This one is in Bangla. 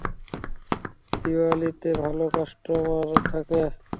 দিওয়ালিতে ভালো কাস্টমার থাকে।